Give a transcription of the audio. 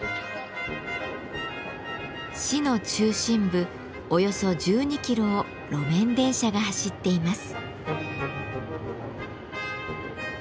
市の中心部およそ１２キロを路面電車が走っています。